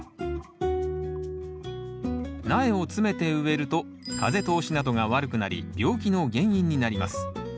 苗を詰めて植えると風通しなどが悪くなり病気の原因になります。